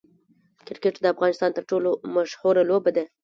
کرکټ د افغانستان تر ټولو مشهوره لوبه ده.